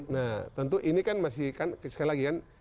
nah tentu ini kan masih kan sekali lagi kan